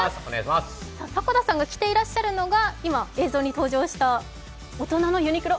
迫田さんが着ていらっしゃるのが今映像に登場した大人のユニクロ。